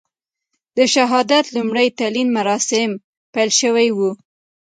د شهادت لومړي تلین مراسیم پیل شوي و.